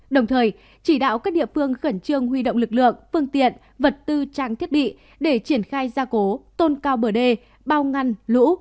đồng thời chỉ đạo các địa phương khẩn trương huy động lực lượng phương tiện vật tư trang thiết bị để triển khai gia cố tôn cao bờ đê bao ngăn lũ